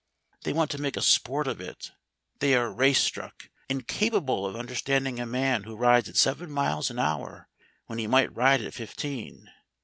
They want to make a sport of it; they are race struck, incapable of understanding a man who rides at seven miles an hour when he might ride at fifteen.